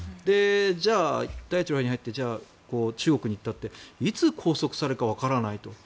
じゃあ、一帯一路に入って中国に行ったっていつ拘束されるかわからないと。